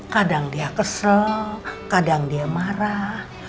kadang dia kesel kadang dia marah